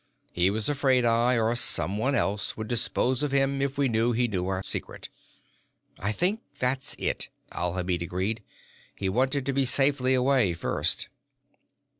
He was afraid I, or someone else, would dispose of him if we knew he knew our secret." "I think that's it," Alhamid agreed. "He wanted to be safely away first."